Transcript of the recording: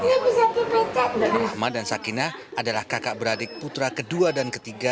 muhammad dan sakina adalah kakak beradik putra kedua dan ketiga